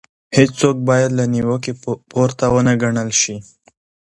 هيڅوک بايد له نيوکې پورته ونه ګڼل شي.